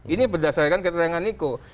ini berdasarkan keterangan niko